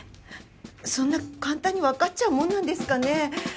そんな簡単にわかっちゃうもんなんですかね。